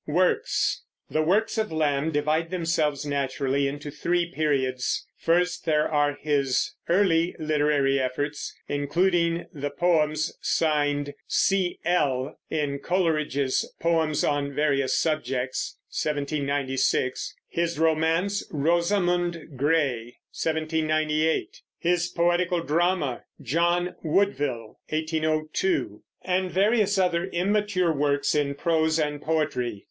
WORKS. The works of Lamb divide themselves naturally into three periods. First, there are his early literary efforts, including the poems signed "C. L." in Coleridge's Poems on Various Subjects (1796); his romance Rosamund Gray (1798); his poetical drama John Woodvil (1802); and various other immature works in prose and poetry.